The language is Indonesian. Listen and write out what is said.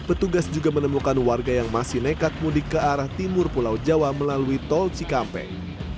petugas juga menemukan warga yang masih nekat mudik ke arah timur pulau jawa melalui tol cikampek